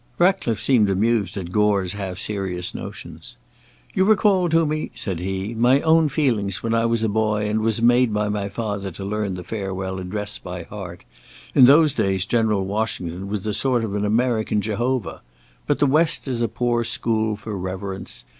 Ratcliffe seemed amused at Gore's half serious notions. "You recall to me," said he, "my own feelings when I was a boy and was made by my father to learn the Farewell Address by heart. In those days General Washington was a sort of American Jehovah. But the West is a poor school for Reverence.